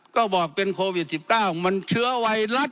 ก็บอกเป็นโควิด๑๙มันเชื้อไวรัส